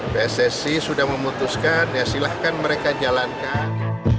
pssi sudah memutuskan ya silahkan mereka jalankan